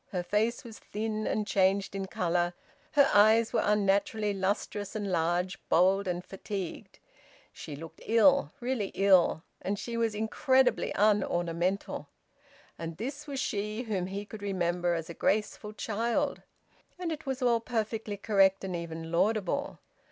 Her face was thin, and changed in colour; her eyes were unnaturally lustrous and large, bold and fatigued; she looked ill, really ill; and she was incredibly unornamental. And this was she whom he could remember as a graceful child! And it was all perfectly correct and even laudable!